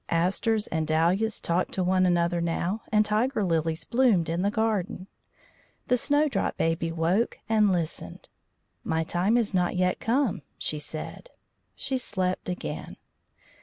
Asters and dahlias talked to one another now, and tiger lilies bloomed in the garden. The Snowdrop Baby woke and listened. "My time is not yet come," she said. She slept again.